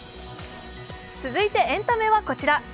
続いてエンタメはこちら。